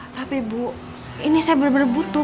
tapi bu ini saya benar benar butuh